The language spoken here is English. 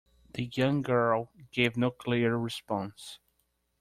The young girl gave no clear response.